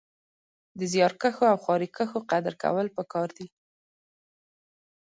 د زيارکښو او خواريکښو قدر کول پکار دی